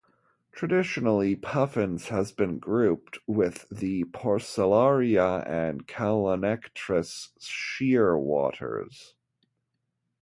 Traditionally, "Puffinus" has been grouped with the "Procellaria" and "Calonectris" shearwaters.